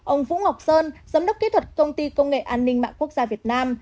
ông vũ ngọc sơn giám đốc kỹ thuật công ty công nghệ an ninh mạng quốc gia việt nam